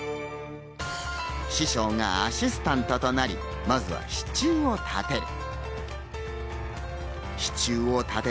師匠がアシスタントとなり、まずは支柱を立てる。